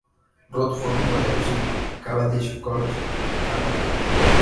Ruth fue miembro de Lucy Cavendish College, Cambridge.